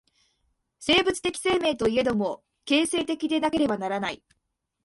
生物的生命といえども、形成的でなければならない。